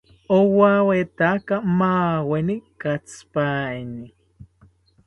Owawetaka maaweni katsipaini